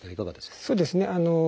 そうですね。